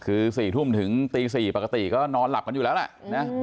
คือ๔ทุ่มถึงตี๔ปกติก็นอนหลับกันอยู่แล้วแหละนะ